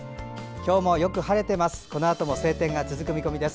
今日もよく晴れています。